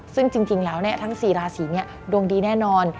ซึ่งจริงแล้วทั้ง๔ราศีนี้ดวงดีแน่นอน